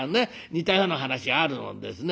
似たような話あるもんですね。